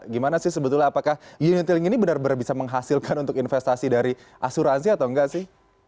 gimana sih sebetulnya apakah unity ini benar benar bisa menghasilkan untuk investasi dari asuransi atau enggak sih